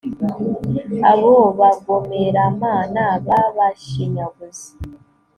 abo bagomeramana b'abashinyaguzi